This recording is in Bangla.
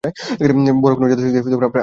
বড় কোনো যাদু শিখতে আফ্রিকায় আছে এখন।